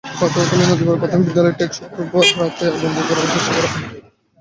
পটুয়াখালীর নন্দীপাড়া প্রাথমিক বিদ্যালয়টি শুক্রবার রাতে আগুন দিয়ে পোড়ানোর চেষ্টা করা হয়।